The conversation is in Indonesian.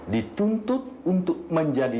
dituntut untuk menjadi